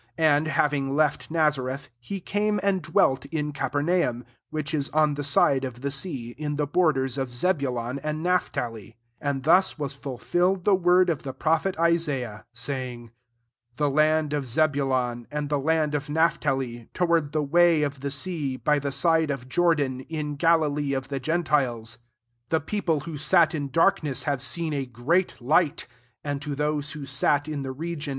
13 And, having left Nazareth, he came and dwelt in Capernaum, which is on the side of the sea, in the borders of Zebulon and Naphtali : 14 and thus was fulfilled the word of the prophet Isaiah ; saying 15 The land of Zebulon, and the land of Naphtali, toward the way of the sea, by the side of Jordan, in Galilee of the gen tiles ; 16 the people who sat in * Jetat tVM led up by the ipirit into tke deiert.